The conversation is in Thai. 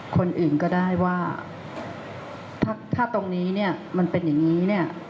คนอื่นก็ได้ว่าถ้าตรงนี้เนี่ยมันเป็นอย่างนี้เนี่ย